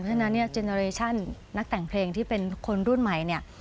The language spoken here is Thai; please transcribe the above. ฉะนั้นเนี่ยเจนอเรชั่นนักแต่งเพลงที่เป็นคนรุ่นใหม่เนี่ย